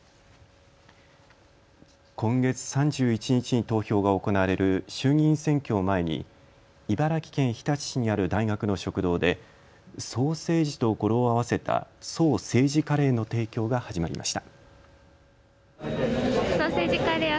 今月３１日に投票が行われる衆議院選挙を前に茨城県日立市にある大学の食堂でソーセージと語呂を合わせたそう、政治カレーの提供が始まりました。